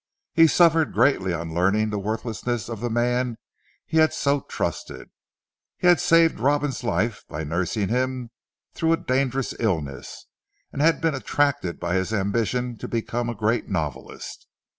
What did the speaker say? He suffered greatly on learning the worthlessness of the man he had so trusted. He had saved Robin's life by nursing him through a dangerous illness, and had been attracted by his ambition to become a great novelist.